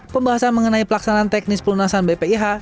pembahasan mengenai pelaksanaan teknis pelunasan bpih